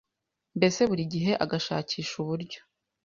Mbese buri gihe agashakisha uburyo